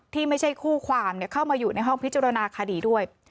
ที่ไม่ใช่คู่ความเข้ามาอยู่ในห้องพิจารณาคดีด้วย